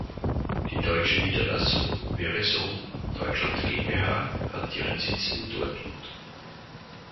Die deutsche Niederlassung "Verizon Deutschland GmbH" hat ihren Sitz in Dortmund.